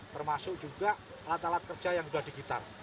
termasuk juga alat alat kerja yang sudah digitar